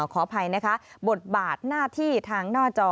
ขออภัยนะคะบทบาทหน้าที่ทางหน้าจอ